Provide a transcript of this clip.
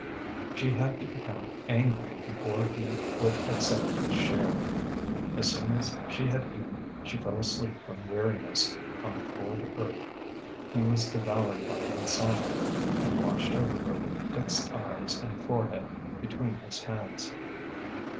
She had to become angry before he would accept his share. As soon as she had eaten she fell asleep from weariness, on the cold earth. He was devoured by insomnia, and watched over her with fixed eyes and forehead between his hands.